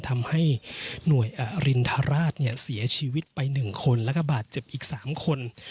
ทำให้หน่วยอรินทราชเสียชีวิตไป๑คนแล้วก็บาดเจ็บอีก๓คน